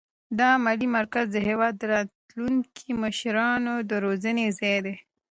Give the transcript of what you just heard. دا علمي مرکز د هېواد د راتلونکو مشرانو د روزنې ځای دی.